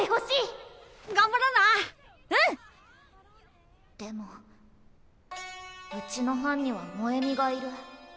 心の声でもうちの班には萌美がいる。